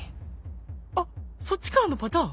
あっそっちからのパターン？